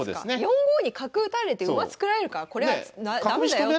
４五に角打たれて馬作られるからこれは駄目だよって。